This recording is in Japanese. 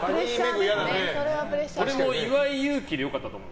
俺も岩井勇気で良かったと思う。